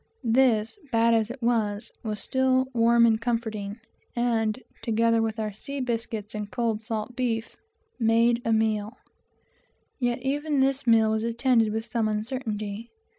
This, bad as it was, was still warm and comforting, and, together with our sea biscuit and cold salt beef, made quite a meal. Yet even this meal was attended with some uncertainty.